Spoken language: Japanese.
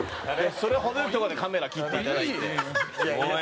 それを程良きとこでカメラ切っていただいて。